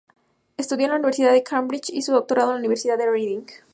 Estudió en la Universidad de Cambridge, y su doctorado en la Universidad de Reading.